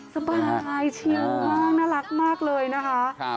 สบายชิวมากน่ารักมากเลยนะคะ